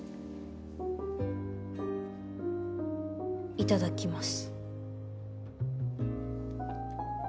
いただきます。